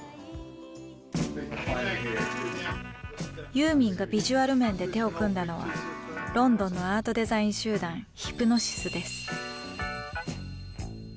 ユーミンがビジュアル面で手を組んだのはロンドンのアートデザイン集団ヒプノシスです。